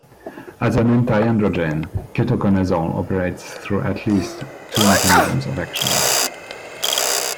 As an antiandrogen, ketoconazole operates through at least two mechanisms of action.